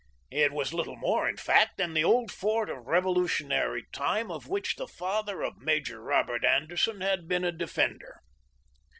It was little more, in fact, than the old fort of Revolutionary time of which the father of Major Robert Anderson had been a defender.